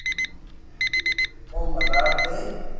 او مزار تي